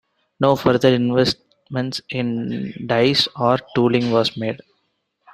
No further investment in dies or tooling was made.